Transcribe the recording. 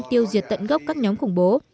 tiêu diệt tận gốc các nhóm khủng bố